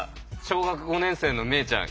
小学５年生の萌衣ちゃん